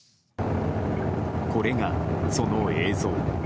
これが、その映像。